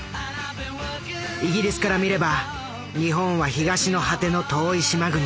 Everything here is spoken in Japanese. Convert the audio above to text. イギリスから見れば日本は東の果ての遠い島国。